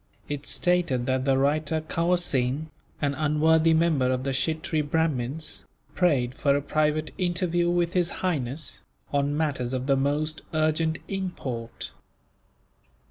It stated that the writer, Kawerseen, an unworthy member of the Kshittree Brahmins, prayed for a private interview with His Highness, on matters of the most urgent import.